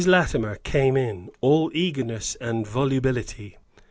Latimer came in, all eagerness and volubility.